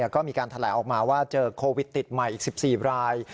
ก็มีการแถลงออกมาว่าเจอโควิดติดใหม่อีก๑๔ราย